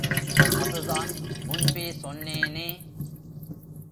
அதுதான் முன்பே சொன்னேனே!